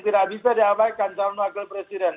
tidak bisa diabaikan calon wakil presiden